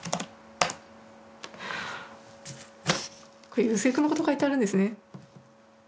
これ夕青くんのことを書いてあるんですね。